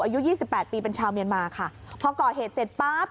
อายุยี่สิบแปดปีเป็นชาวเมียนมาค่ะพอก่อเหตุเสร็จปั๊บ